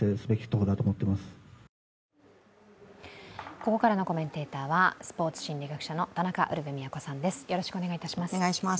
ここからのコメンテーターはスポーツ心理学者の田中ウルヴェ京さんです。